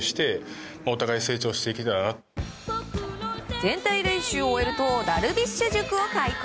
全体練習を終えるとダルビッシュ塾を開講。